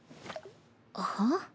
はあ？